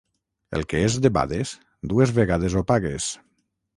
El que és debades, dues vegades ho pagues.